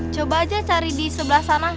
coba aja cari di sebelah sana